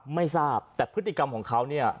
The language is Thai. ไม่ทราบแต่พฤติกรรมของเขาเนี่ย